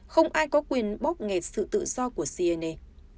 không ai có quyền bóp nghẹt sự tự do của cnne